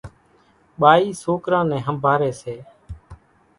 ٻائِي سوڪران نين ۿنڀاريَ سي۔